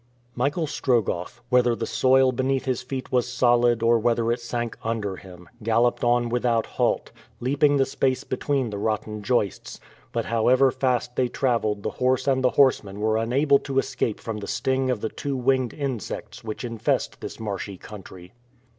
Michael Strogoff, whether the soil beneath his feet was solid or whether it sank under him, galloped on without halt, leaping the space between the rotten joists; but however fast they traveled the horse and the horseman were unable to escape from the sting of the two winged insects which infest this marshy country.